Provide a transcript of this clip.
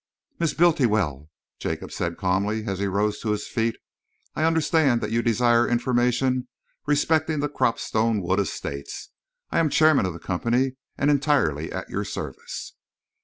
"Miss Bultiwell," Jacob said calmly, as he rose to his feet, "I understand that you desire information respecting the Cropstone Wood Estates. I am Chairman of the Company and entirely at your service."